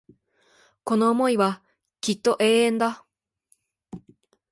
この思いはきっと永遠だ